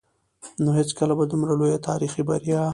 نو هېڅکله به دومره لويه تاريخي بريا